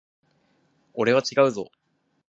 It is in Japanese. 俺は違うぞ。